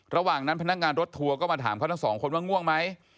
ระหว่างนั้นพนักงานรถทัวร์ก็มาถามเขาทั้งสองคนว่าง่วงไหม